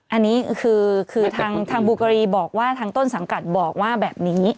อันนี้คือทางบูกรีบอกว่าทางต้นสังกัดบอกว่าแบบนี้